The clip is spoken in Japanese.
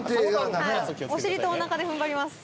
お尻とおなかで踏ん張ります。